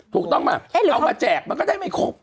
ถูกต้องป่ะเอามาแจกมันก็ได้ไม่ครบ